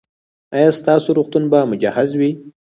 ایا ستاسو روغتون به مجهز وي؟